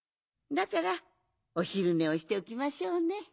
だからおひるねをしておきましょうね。